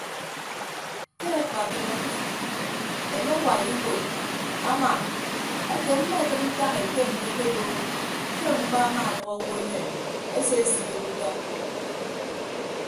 Ke akpatre enye awai iwuod ama ete mmekịd ntak ete mmi akebooho ke mkpa amaadʌk owo enyen esesiid utọñ.